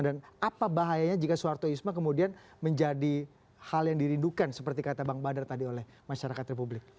dan apa bahayanya jika soehartoisme kemudian menjadi hal yang dirindukan seperti kata bang badar tadi oleh masyarakat republik